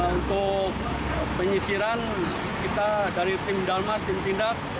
untuk penyisiran kita dari tim dalmas tim pindad